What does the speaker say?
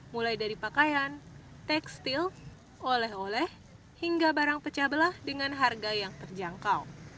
mulai dari pakaian tekstil oleh oleh hingga barang pecah belah dengan harga yang terjangkau